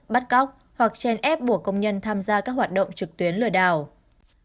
bắt cóc hoặc chèn ép buộc công nhân tham gia các hoạt động trực tuyến lừa đảo